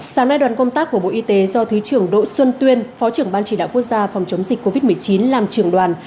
sáng nay đoàn công tác của bộ y tế do thứ trưởng đỗ xuân tuyên phó trưởng ban chỉ đạo quốc gia phòng chống dịch covid một mươi chín làm trưởng đoàn